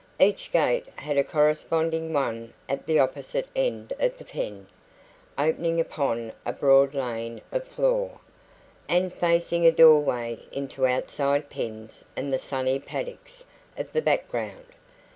Each gate had a corresponding one at the opposite end of the pen, opening upon a broad lane of floor, and facing a doorway into outside pens and the sunny paddocks of the background.